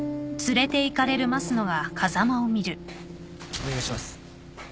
お願いします。